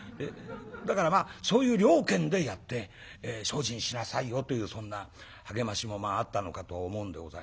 だからまあそういう了見でやって精進しなさいよというそんな励ましもあったのかと思うんでございますが。